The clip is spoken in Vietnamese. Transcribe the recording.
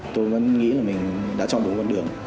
tôi vẫn nghĩ là mình đã trong đúng con đường